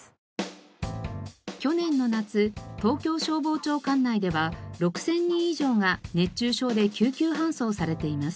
去年の夏東京消防庁管内では６０００人以上が熱中症で救急搬送されています。